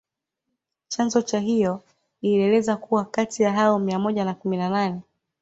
Chanzo cha hiyo ilieleza kuwa kati ya hao mia moja na kumi na nne